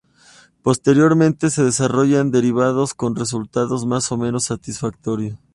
Posteriormente se desarrollaron derivados con resultados más o menos satisfactorios.